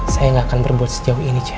saya gak akan berbuat sejauh ini jane